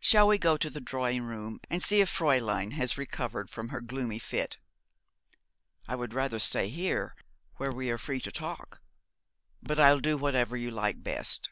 Shall we go to the drawing room, and see if Fräulein has recovered from her gloomy fit?' 'I would rather stay here, where we are free to talk; but I'll do whatever you like best.'